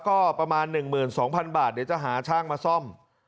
ก็ประมาณ๑๒๐๐๐บาทเดี๋ยวจะหาช่างมาซ่อม